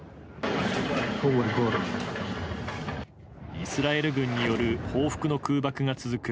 イスラエル軍による報復の空爆が続く